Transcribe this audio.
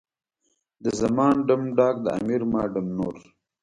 د زمان ډم، ډاګ، د امیر ما ډم نور.